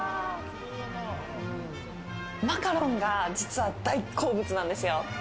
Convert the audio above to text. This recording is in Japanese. マカロンが実は大好物なんですよ。